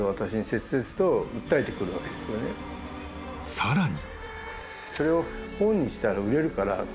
［さらに］